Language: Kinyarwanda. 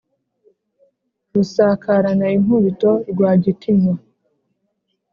Rusakarana inkubito Rwagitinywa,